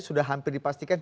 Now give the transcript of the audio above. sudah hampir dipastikan